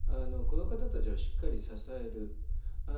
この方たちをしっかり支える。